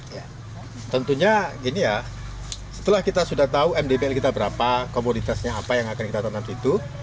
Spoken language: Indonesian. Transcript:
ya tentunya gini ya setelah kita sudah tahu mdbl kita berapa komoditasnya apa yang akan kita tanam itu